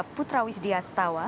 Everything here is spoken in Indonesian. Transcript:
putra widya setara